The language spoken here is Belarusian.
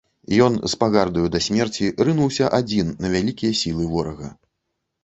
Ён, з пагардай да смерці, рынуўся адзін на вялікія сілы ворага.